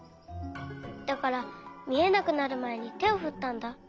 だからみえなくなるまえにてをふったんだ。